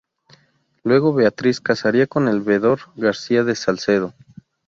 Luego Beatriz casaría con el Veedor Garcia de Salcedo.